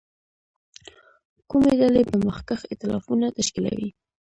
کومې ډلې به مخکښ اېتلافونه تشکیلوي.